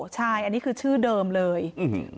ใช่อันนี้คือชื่อเดิมเลยอืม